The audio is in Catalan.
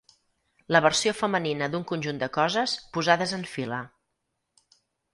La versió femenina d'un conjunt de coses posades en fila.